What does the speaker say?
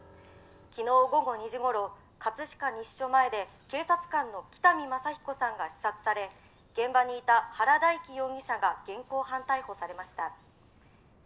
きのう午後２時頃葛飾西署前で警察官の北見昌彦さんが刺殺され現場にいた原大貴容疑者が現行犯逮捕されました。